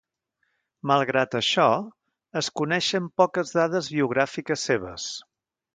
Malgrat això, es coneixen poques dades biogràfiques seves.